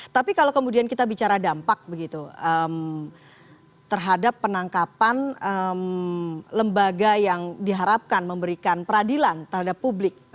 tapi kalau kemudian kita bicara dampak begitu terhadap penangkapan lembaga yang diharapkan memberikan peradilan terhadap publik